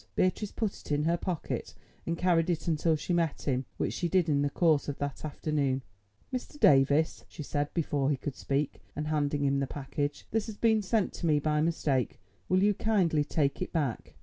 Beatrice put it in her pocket and carried it until she met him, which she did in the course of that afternoon. "Mr. Davies," she said before he could speak, and handing him the package, "this has been sent to me by mistake. Will you kindly take it back?"